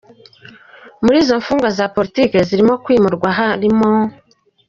Muri izo mfungwa za politiki zirimo kwimurwa harimo: